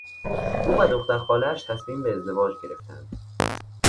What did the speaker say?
او و دختر خالهاش تصمیم به ازدواج گرفتند.